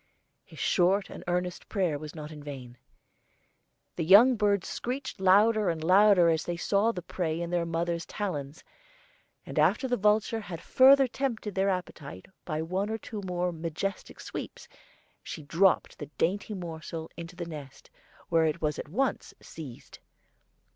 His short and earnest prayer was not in vain. The young birds screeched louder and louder as they saw the prey in their mother's talons; and after the vulture had further tempted their appetite by one or two more majestic sweeps, she dropped the dainty morsel into the nest, where it was at once seized.